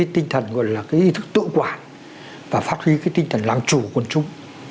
tinh thần tự quản và phát huy tinh thần làm chủ của quân chung